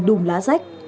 đùm lá rách